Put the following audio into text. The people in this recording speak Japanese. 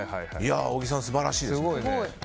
小木さん、素晴らしいですね。